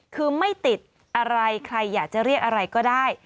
คือไม่ติดอะไรใครอยากจะเรียกอะไรก็ได้